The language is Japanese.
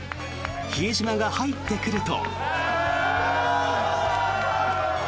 比江島が入ってくると。